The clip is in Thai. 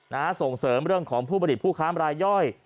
ส่งเสริมเรื่องของผู้ผลิตผู้ค้ามรายย่อย